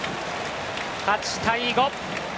８対５。